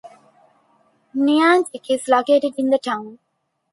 Niantic is located in the town.